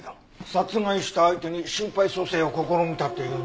殺害した相手に心肺蘇生を試みたっていうの？